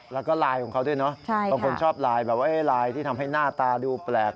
แล้วก็ไลน์ของเขาด้วยเนาะบางคนชอบไลน์แบบว่าไลน์ที่ทำให้หน้าตาดูแปลก